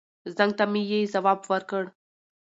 زنګ ته مې يې ځواب ور کړ.